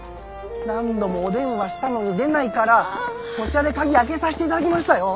何度もお電話したのに出ないからこちらで鍵開けさせていただきましたよ。